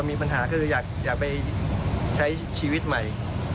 มีปัญหาครอบครัวมีปัญหาคืออยากไปใช้ชีวิตใหม่